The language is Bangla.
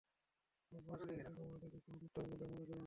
আমার বউয়ের সাথে কেউ ঘুমালে তাকে খুন করতে হবে বলে আমি মনে করিনা।